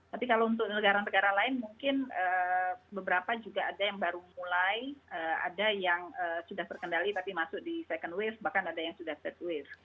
tapi kalau untuk negara negara lain mungkin beberapa juga ada yang baru mulai ada yang sudah terkendali tapi masuk di second wave bahkan ada yang sudah third wave